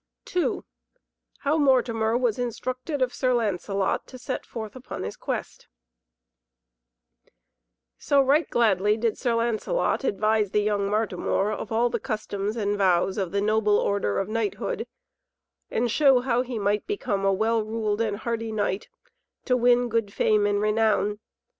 II How Martimor was Instructed of Sir Lancelot to Set Forth Upon His Quest So right gladly did Sir Lancelot advise the young Martimor of all the customs and vows of the noble order of knighthood, and shew how he might become a well ruled and a hardy knight to win good fame and renown.